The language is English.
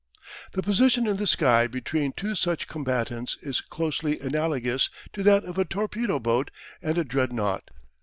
The position in the sky between two such combatants is closely analogous to that of a torpedo boat and a Dreadnought.